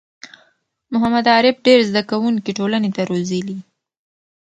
محمد عارف ډېر زده کوونکی ټولنې ته روزلي